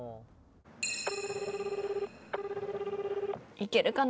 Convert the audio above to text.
いけるかな？